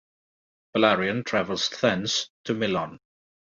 Bellarion travels thence to Milan.